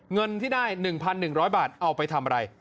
เงินที่ได้๑๑๐๐บาทเอาไปทำอะไร